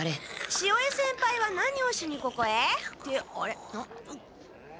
潮江先輩は何をしにここへってあれ？